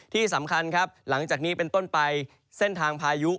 ที่สำคัญครับหลังจากนี้เป็นต้นไปเส้นทางพายุ